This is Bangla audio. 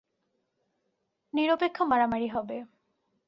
নিরপেক্ষ মারামারি হবে।